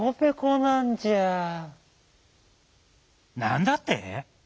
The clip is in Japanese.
「なんだって？